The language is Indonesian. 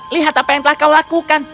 lihat apa yang telah kau lakukan